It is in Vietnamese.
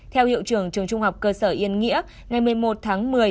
theo hiệu trưởng trường trung học cơ sở yên nghĩa ngày một mươi một tháng một mươi